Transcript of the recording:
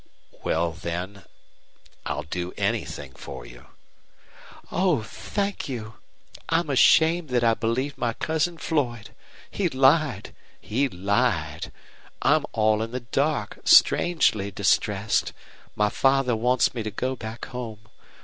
"Well, then I'll do anything for you." "Oh, thank you! I'm ashamed that I believed my cousin Floyd! He lied he lied. I'm all in the dark, strangely distressed. My father wants me to go back home.